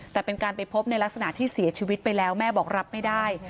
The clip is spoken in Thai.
แต่เป็นการไปพบในลักษณะที่เสียชีวิตไปแล้วแม่บอกรับไม่ได้